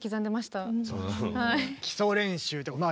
基礎練習ってまあ